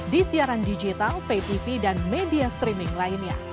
di siaran digital pay tv dan media streaming lainnya